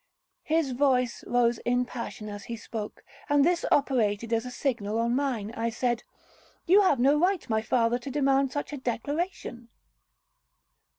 '—His voice rose in passion as he spoke, and this operated as a signal on mine. I said, 'You have no right, my father, to demand such a declaration.'